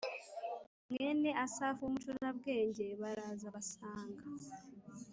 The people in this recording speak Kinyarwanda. mwene Asafu w umucurabwenge baraza basanga